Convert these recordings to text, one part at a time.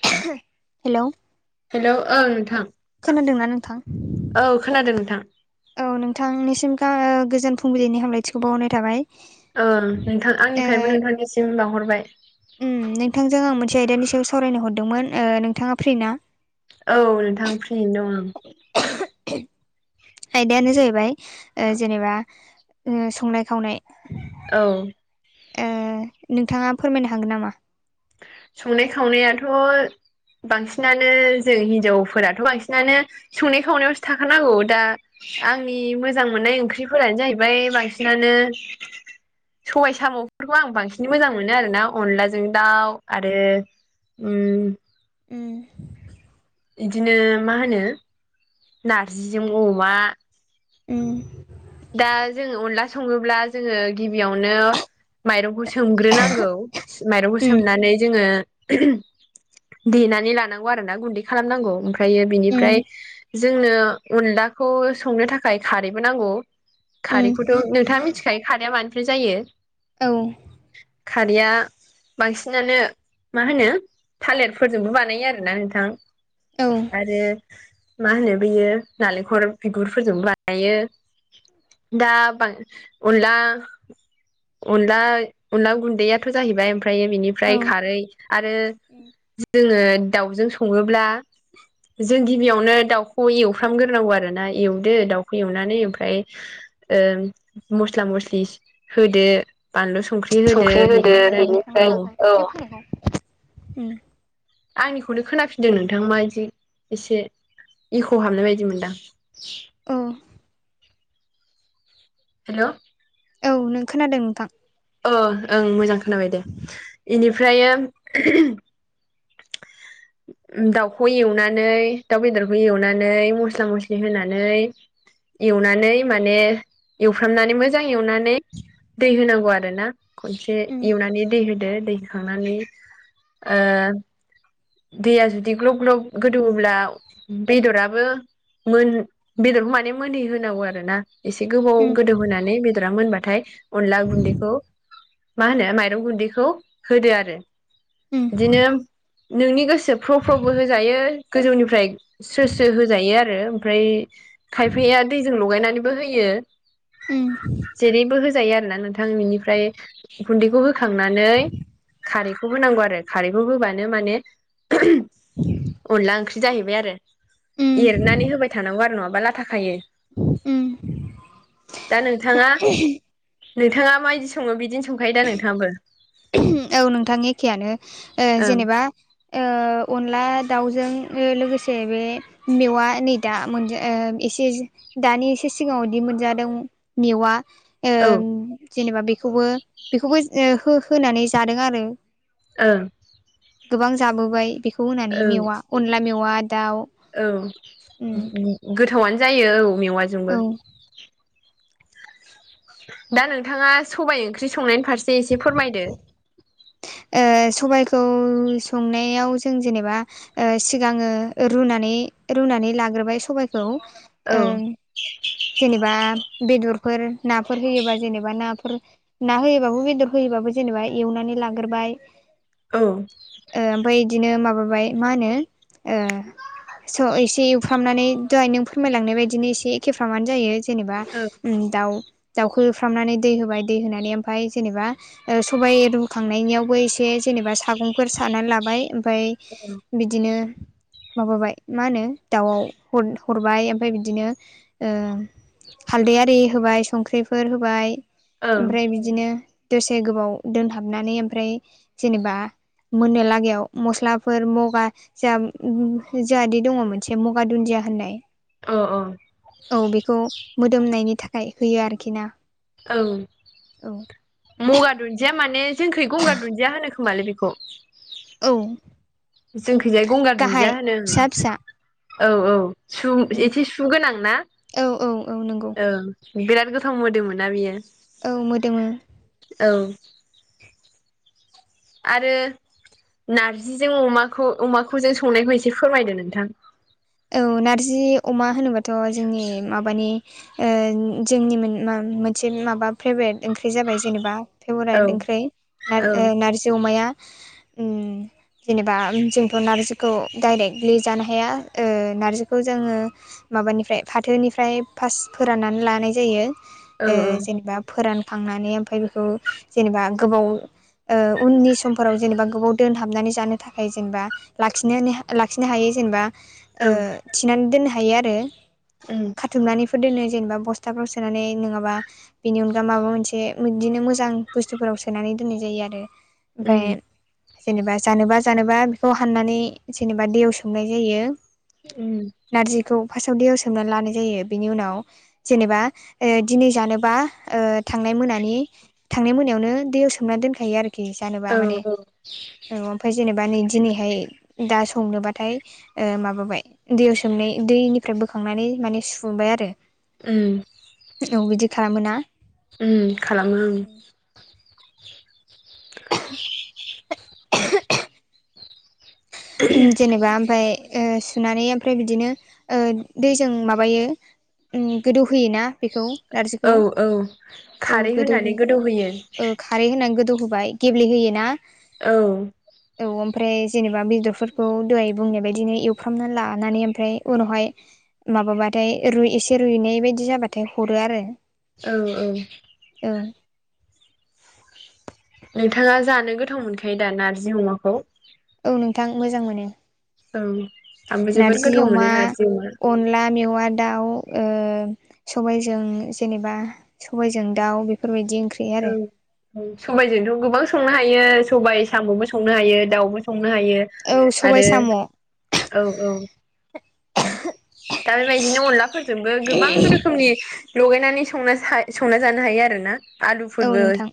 [unintelligible] Hello hello ओं नोंथां। खोनादोंना नोंथां? औ खोनादों नोंथां औ नोंथांनिसिम गा ओ गोजोन फुंबिलिनि हामलायथिखौ बावहरनाय थाबाय। ओं नोंथां आंनिफ्रायबो नोंथांनिसिम बावहरबाय। ओम नोंथांजों आं मोनसे आयदानि सायाव सावरायनो हरदोंमोन। ओ नोंथाङा फ्रि ना? औ नोंथां फ्रियैनो दं आं। आयदायानो जाहैबाय ओ जेनेबा ओ संनाय-खावनाय। औ। ओ नोंथाङा फोरमायनो हागोन नामा? संनाय-खावनायाथ' बांसिनानो जों हिनजावफोराथ' बांसिनानो संनाय-खावनायावसो थाखानांगौ। दा आंनि मोजां मोननाय ओंख्रिफोरानो जाहैबाय बांसिनानो सबाय सामुफोरखौ आं बांसिन मोजां मोनो आरोना अनलाजों दाउ आरो ओम ओम इदिनो मा होनो नारजिजों अमा उम दा जोङो अनला सङोब्ला जोङो गिबियावनो माइरंखौ सोमग्रोनांगौ माइरंखौ उम सोमनानै जोङो देनानै लानांगौ आरोना गुन्दै खालामनांगौ आमफ्रायो उम बिनिफ्राय जोंनो अनलाखौ संनो थाखाय खारैबो नांगौ उम खारैखौथ' नोंथाङा मिथिखायो खारैया मानिफ्राय जायो औ खारिया बांसिनानो मा होनो थालेरफोरजोंबो बानायो आरोना नोंथां औ आरो मा होनो बैयो नालेंखर बिगुरफोरजोंबो बायो दा बां अनला अनला अनला गुन्दैयाथ' जाहैबाय ओमफ्रायो औ बिनिफ्राय खारै आरो जोङो दाउजों सङोब्ला [inaudible] जों गिबियावनो दाउखौ एवफ्रामग्रोनांगौ आरोना एवदो दाउखौ एवनानै ओमफ्राय ओ मस्ला मस्लि होदो बानलु संख्रि होदो बिनिफ्राय औ औ [unintelligible] ओम आंनिखौनो खोनाफिनदों नोंथां मा जि एसे इक' हाबनाय बायदि मोनदां औ हेल' औ नों खोनादों नोंथां अ ओं मोजां खोनाबाय दे इनिफ्राय ओह उम दाउखौ एवनानै दाउ बेदरखौ एवनानै मस्ला मस्लि होनानै एवनानै माने एवफ्रामनानै मोजां एवनानै दै होनांगौ आरो ना खनसे उम एवनानै दै होदो दै होखांनानै ओ दैया जुदि ग्ल'ब ग्ल'ब गोदौब्ला बेदराबो मोन बेदरखौ माने मोनहै होनांगौ आरोना एसे गोबाव उम गोदौ होनानै बेदरा मोनबाथाय अनला गुन्दैखौ मा होनो माइरं गुन्दैखौ होदो आरो उम इदिनो नोंनि गोसो फ्र' फ्र'बो होजायो गोजौनिफ्राय स्रो स्रो होजायो आरो आमफ्राय खायफाया दैजों लगायनानैबो होयो उम जेरैबो होजायो आरोना नोंथां नेनिफ्राय उम गुन्दैखौ होखांनानै खारैखौबो नांगौ आरो खारैबो बोबानो माने ओम अनला ओंख्रि जाहैबाय आरो उम एरनानै होबाय थानांगौ आरो नंङाबा लाथा खायो उम दा नोंथांआ नोंथांआ माओइदि संङो बिदिनो संखायो दा नोंथांआबो ओह‌ औ नोंथां एखेयानो ओं जेनोबा ओ अनला दाउजों लोगोसे बे मेवआ नै दा मोनज ओ एसे एसे दानि एसे सिगांआदि मोनजादों मेवा ओ‌ औ जेनोबा बेखौबो बेखौबो हो होनानै जादों आरो ओ गोबां जाबोबाय बेखौ होननानै ओं मेवा अनला मेवा दाउ औ उम गोथावानो जायो औ औ मेवाइजोंबो ओ दा नोंथाङा सबाइ ओंख्रि संनायनि फारसे एसे फोरमायदो। ओ सबाइखौ संनायाव जों जेनेबा ओ सिगाङो रुनानै रुनानै लाग्रोबाय सबाइखौ औ जेनेबा बेदरफोर नाफोर होयोबा जेनेबा नाफोर ना होयोबाबो बेदर होयोबाबो जेनेबा एवनानै लाग्रोबाय। औ। ओ ओमफाय इदिनो माबाबाय मा होनो ओ स' एसे एवफ्रामनानै दहाय नों फोरमायलांनाय बायदिनो एसे एखेफ्रामानो जायो। जेनेबा उम दाउ। दाउखो एवफ्रामनानै दै होबाय दै होनानै ओमफाय जेनेबा ओ सबाइ रु खांनायनियावबो एसे जेनेबा सागंफोर सानानै लाबाय ओमफाय बिदिनो माबाबाय मा होनो दाउआव हर हरबाय ओमफाय बिदिनो ओ हालदै आरि होबाय संख्रिफोर होबाय। औ ओमफ्राय बिदिनो दसे गोबाव दोनहाबनानै ओमफ्राय जेनेबा मोननो लागायाव मस्लाफोर मगा जोंहा जोहादि दङ मोनसे मगा दुन्दिया होननाय। औ औ औ बेखौ मोदोमनायनि थाखाय होयो आरोखिना। औ मगा दुन्दिया माने जोंखै गंगार दुन्दिया होनो खोमालाय बेखौ? औ जोंखैजाय गंगार दुन्दिया गाहाय होनो फिसा फिसा औ औ सु उम एसे सु सु गोनां ना औ औ औ नंगौ औ बिराद गोथाव मोदोमोना बियो। औ मोदोमो। औ। आरो नारजिजों अमाखौ अमाखौ जों संनायखौ एसे फोरमायदो नोंथां। औ नारजि अमा होनोबाथ' जोंनि माबानि ओ जोंनि मोन मा मोनसे माबा फेभब्रेट ओंख्रि जाबाय जेनेबा। औ फेभरायत ओंख्रैं नार औ नारजि अमाया। उम जेनेबा जोंथ' नारजिखौ डाइरेक्टलि जानो हाया। ओ नारजिखौ जोङो। माबानिफ्राय फाथोनिफ्राय फास्त फोराननानै लानाय जायो औ ओ औ जेनेबा फोरानखांनानै ओमफ्राय बेखौ जेनेबा गोबाव ओ उननि समफोराव जेनेबा गोबाव दोनहाबनानै जानो थाखाय जेनबा लाखिनानै लाखिनो हायो जेनबा। औ। थिनानै दोननो हायो आरो। उम। खाथुमनानैफो दोनो जेनबा बस्थाफ्राव सोनानै नोङाबा बिनि अनगा माबा मोनसे बिदिनो मोजां बुस्थुफोराव सोनानै दोननाय जायो आरो। उम ओमफाय जेनेबा जानोबा जानोबा बेखौ हाननानै जेनेबा दैयाव सोमनाय जायो। औ नारजिखौ फास्टआव दैयाव सोमना लानाय जायो बेनि उनाव जेनेबा ओ दिनै जानोबा ओ थांनाय मोनानि थांनाय मोनायावनो दैयाव सोमना दोनखायो आरोखि जानोबा औ माने औ ओमफाय जेनेबा नै दिनैहाय दा संनोबाथाय ओ माबा बाय दैयाव सोमनाय दैनिफ्राय बोखांनानै माने सुबाय आरो। उम। औ बिदि खालामो ना? उम खालामग्रो‌ उम। [inaudible] ओं जेनेबा ओमफ्राय ओ सुनानै ओमफ्राय बिदिनो ओ दैजों माबायो। उम गोदौ होयोना बेखौ? नारजिखौ औ औ औ खारै गोदौहो होनानै गोदौ होयो। ओ खारै होना गोदौहोबाय गेब्लेहोयोना? औ औ ओमफ्राय जेनेबा बेदर फोरखौ दहाय बुंनाय बायदिनो एवफ्रामना लानानै ओमफ्राय उनावहाय माबाबाथाय रुय एसे रुयनाय बायदि जाबाथाय हरो आरो औ औ औ नोंथाङा जानो गोथाव मोनखायो दा नारजि अमाखौ औ नोंथां मोजां मोनो। औ आंबो जोबोर नारजि गोथाव अमा मोनो नारजि अमा। अनला मेवा दाउ ओ सबाइजों जेनेबा सबाइजों दाउ बेफोरबायदि ओंख्रि आरो औ सबाइजोंथ' गोबां संनो हायो सबाइ साम'बो संनो हायो दाउबो संनो हायो औ सबाइ आरो साम' औ औ [inaudible] दा बेबायदिनो अनलाफोरजोंबो गोबां रो खोमनि लगायनानै संना संना जानो हायो आरोना आलुफोरबो नोंथां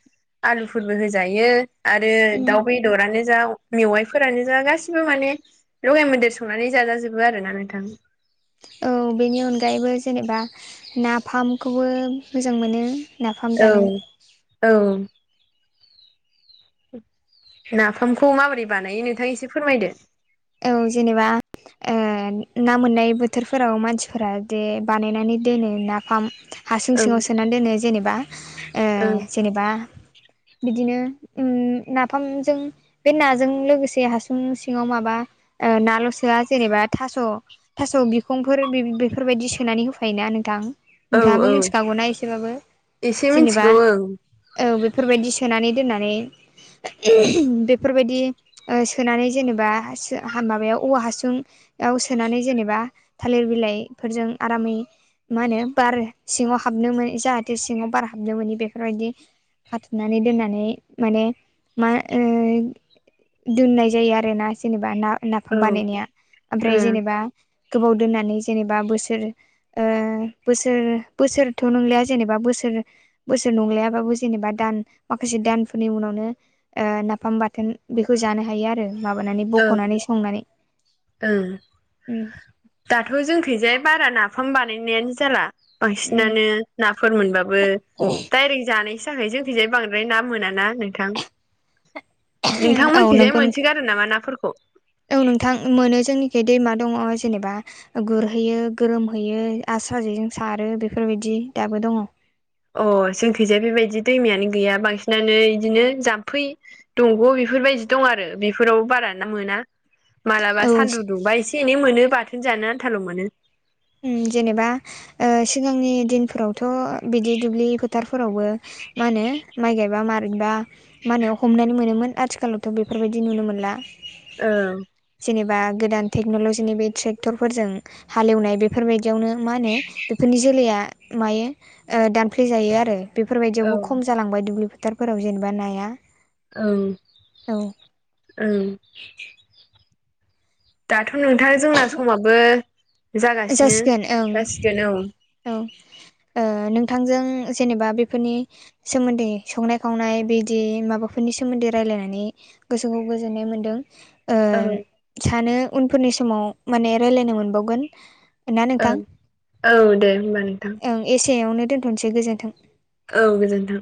आलुफोरबो होजायो आरो उम दाउ बेदरानो जा मेवाइफोरानो जा गासिबो माने लगाय मोदेर संनानै जाजाजोबो आरोना नोंथां। औ बेनि अनगायैबो जेनेबा नाफामखौबो मोजां मोनो। नाफाम जानो औ औ नाफामखौ माबोरै बानायो नोंथां एसे फोरमायदो। औ जेनेबा ओ ना मोननाय बोथोरफोराव मानसिफोरा दे बानायनानै दोनो नाफाम हासुं ओं सिङाव सोनानै दोनो जेनेबा ओ ओं जेनेबा बिदिनो उम नाफामजों बे नाजों लोगोसे हासुं सिङाव माबा ओ नाल'सोआ जेनेबा थास' थास' बिखंफोर बेफोरबायदि सोनानै होफायोना नोंथां? औ नोंथाङाबो औ मिथिखागौना एसेबाबो एसे जेनेबा मिथिगौ ओं औ बेफोरबायदि सोनानै दोननानै बेफोरबायदि ओ सोनानै जेनेबा ओ हा माबायाव औवा हासुङाव सोनानै जेनेबा थालेर बिलाइफोरजों आरामै मा होनो बार सिङाव हाबनो मोने जाहाथे सिङाव बार हाबनो मोननि बेफोरबायदि खाथुमनानै दोननानै माने मा ओ दोननाय जायो आरोना जेनेबा ना औ नाफाम बानायनाया ओमफ्राय ओं जेनेबा गोबाव दोननानै जेनेबा बोसोर ओ बोसोर बोसोरथ' नंलिया जेनेबा बोसोर बोसोर नंलायाबाबो जेनेबा दान माखासे दानफोरनि उनावनो ओ नाफाम बाथोन बेखौ जानो हायो आरो माबानानै ओं बाख'नानै संनानै ओं उम दाथ' जोंखैजाय बारा नाफाम बानायनायानो जाला। उम बांसिनानो नाफोर मोनबाबो डायरेक्ट जानायसो जाखायो जोंथिंजाय बांद्राय ना मोना ना नोंथां। औ नोंथांमोनथिंजाय नंगौ नोंथां मोनसोगारो नामा नाफोरखौ? औ नोंथां मोनो जोंनिखै दैमा दङ जेनेबा गुरहैयो गोरोमहैयो आसारा जेजों सारो बेफोरबायदि दाबो दङ अ जोंनि थिंजाय बेबायदि दैमायानो गैया बांसिनानो बिदिनो जाम्फै दंग' बेफोरबायदि दं आरो बेफोरावबो बारा ना मोना मालाबा औ सान्दुं दुंबा एसे एनै मोनो बाथोन जानो आन्थाल' मोनो उम जेनेबा सिगांनि दिनफोराव थ' बिदि दुब्लि फोथारफोरावबो मा होनो माइ गायबा मारैबा माने हमनानै मोनोमोन आथिखालावथ' बेफोरबायदि नुनो मोनला औ जेनेबा गोदान टेक्नल'जिनि बे ट्रेक्टरफोरजों हालेवनाय बेफोरबाय दियावनो मा होनो बेफोरनि जोलैया मायो दानफ्ले जायो आरो बेफोरबायदियावबो औ खम जालांबाय दुब्लि फोथारफोराव जेनेबा नाया ओं औ ओं दाथ' नोंथां जोंना समाबो जागासिनो जासिगोन ओं जासिगोन औ औ ओ नोंथांजों जेनेबा बेफोरनि सोमोन्दै संनाय खावनाय बिदि माबाफोरनि सोमोन्दै रायलायनानै गोसोखौ गोजोननाय मोनदों ओ औ सानो उनफोरनि समाव माने रायलायनो मोनबावगोन ना औ नोंथां औ दे होमबा नोंथां ओं एसेयावनो दोनथ'नोसै गोजोन्थों औ गोजोनथों